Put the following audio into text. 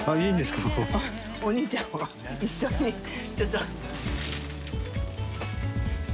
お兄ちゃんほら一緒にちょっと。